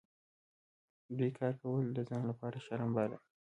دوی کار کول د ځان لپاره شرم باله.